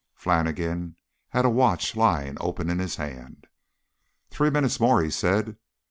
Flannigan had a watch lying open in his hand. "Three minutes more," he said.